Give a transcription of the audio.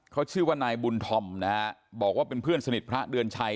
เขาชื่อว่านายบุญธอมนะฮะบอกว่าเป็นเพื่อนสนิทพระเดือนชัย